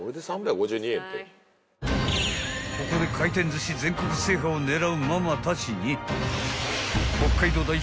［ここで回転寿司全国制覇を狙うママたちに北海道代表